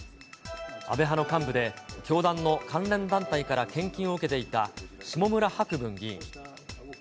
安倍派の幹部で、教団の関連団体から献金を受けていた下村博文議員。